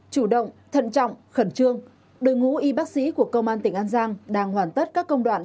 chủ động thận trọng khẩn trương đội ngũ y bác sĩ của công an tỉnh an giang đang hoàn tất các công đoạn